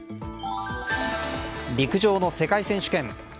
陸上の世界選手権。